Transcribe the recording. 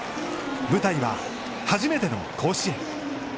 舞台は初めての甲子園。